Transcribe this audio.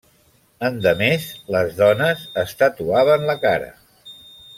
Endemés, les dones es tatuaven la cara.